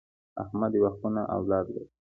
احمد یوه خونه اولاد لري.